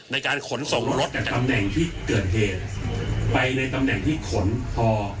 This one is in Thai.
ในการขนส่งรถจากตำแหน่งที่เกิดเหตุไปในตำแหน่งที่ขนพอ